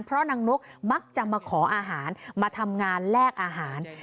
เพราะนางนกมักจะมาขออาหารมาทำงานแลกอาหาร